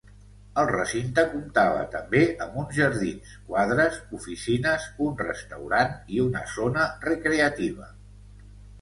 El recinte comptava també amb uns jardins, quadres, oficines, un restaurant i una zona recreativa.